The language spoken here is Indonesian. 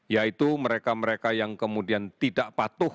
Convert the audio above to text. yaitu mereka mereka yang kemudian tidak patuh